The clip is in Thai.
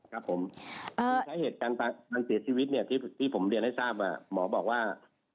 ครับผมสาเหตุการเสียชีวิตที่ผมเรียนให้ทราบหมอบอกว่า